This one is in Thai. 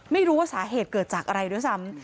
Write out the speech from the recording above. ไม่รู้ว่าสาเหตุเกิดจากอะไรด้วยซ้ำ